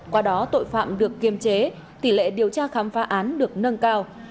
qua đó tội phạm được kiềm chế tỷ lệ điều tra khám phá án được nâng cao